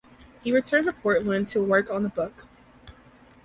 He returned to Portland to work on the book.